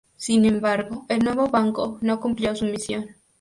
Sin embargo, el nuevo banco no cumplió su misión.